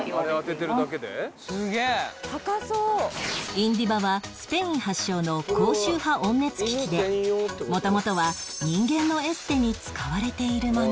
インディバはスペイン発祥の高周波温熱機器で元々は人間のエステに使われているもの